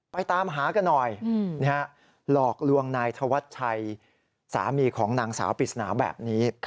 ตามหากันหน่อยหลอกลวงนายธวัชชัยสามีของนางสาวปริศนาแบบนี้